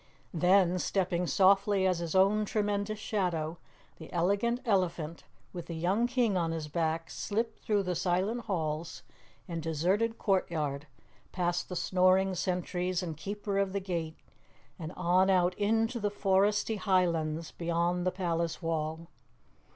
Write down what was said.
Then, stepping softly as his own tremendous shadow, the Elegant Elephant with the young King on his back slipped through the silent halls and deserted courtyard, past the snoring sentries and keeper of the gate and on out into the foresty Highlands beyond the palace wall.